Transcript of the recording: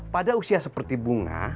pada usia seperti bunga